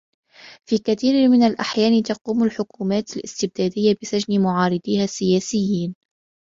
في كثير من الأحيان تقوم الحكومات الاستبدادية بسجن معارضيها السياسيين.